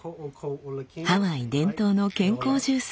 ハワイ伝統の健康ジュース